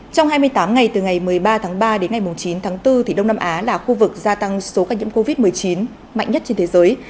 trong hai mươi tám ngày từ ngày một mươi ba tháng ba đến ngày chín tháng bốn đông nam á là khu vực gia tăng số ca nhiễm covid một mươi chín mạnh nhất trên thế giới